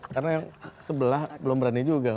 karena yang sebelah belum berani juga